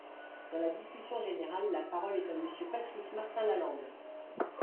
Dans la discussion générale, la parole est à Monsieur Patrice Martin-Lalande.